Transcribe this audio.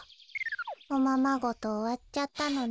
おままごとおわっちゃったのね。